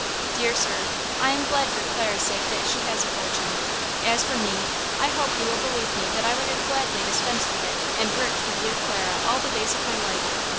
"Dear sir, I am glad for Clara's sake that she has a fortune; as for me, I hope you will believe me that I would have gladly dispensed with it and worked for dear Clara all the days of my life."